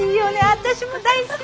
私も大好き。